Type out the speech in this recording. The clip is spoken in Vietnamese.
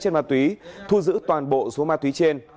trên ma túy thu giữ toàn bộ số ma túy trên